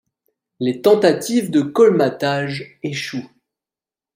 Les tentatives de colmatage échouent.